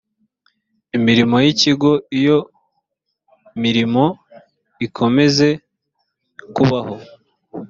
imirimo y ikigo iyo mirimo ikomeze kubaho.